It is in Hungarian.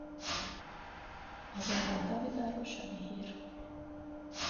Azonban Davidaról semmi hír.